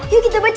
yuk kita baca